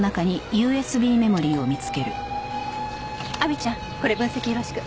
亜美ちゃんこれ分析よろしく。